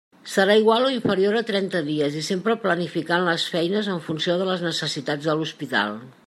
Serà igual o inferior a trenta dies i sempre planificant les feines en funció de les necessitats de l'Hospital.